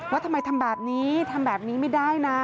ว่าทำไมทำแบบนี้ทำแบบนี้ไม่ได้นะ